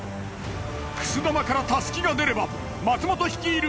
くす玉からタスキが出れば松本率いる